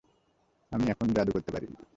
আমি এখন জাদু করতে পারি।